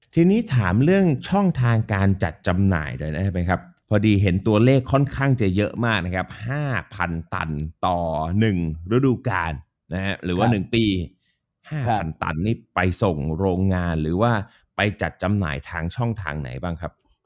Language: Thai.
ทีนี้ถามเรื่องช่องทางการจัดจำหน่ายด้วยนะครับพอดีเห็นตัวเลขค่อนข้างจะเยอะมากนะครับห้าพันตันต่อหนึ่งรูดูการนะครับหรือว่าหนึ่งปีห้าพันตันนี่ไปส่งโรงงานหรือว่าไปจัดจำหน่ายทางช่องทางไหนบ้างครับ